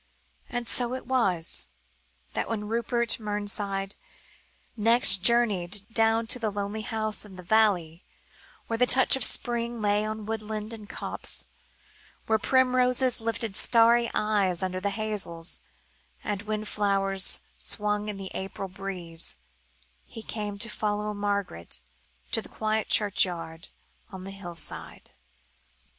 And so it was, that when Rupert Mernside next journeyed down to the lonely house in the valley, where the touch of spring lay on woodland and copse, where primroses lifted starry eyes under the hazels, and wind flowers swung in the April breeze, he came to follow Margaret to the quiet churchyard on the hill side.